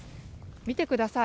見てください。